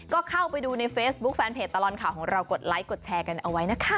ก็เข้าไปดูในเฟซบุ๊คแฟนเพจตลอดข่าวของเรากดไลค์กดแชร์กันเอาไว้นะคะ